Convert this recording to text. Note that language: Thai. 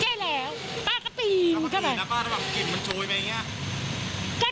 ได้แล้วป้าก็ปีนเข้าไปป้าก็ปีนนะป้าถ้าป้ากินมันชวยไหมอย่างเงี้ย